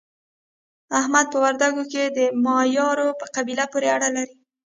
احمد په وردګو کې د مایارو په قبیله پورې اړه لري.